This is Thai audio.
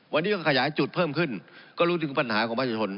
วันนี้ก็ขยายจุดเพิ่มขึ้นก็รู้ถึงปัญหาของประชาชน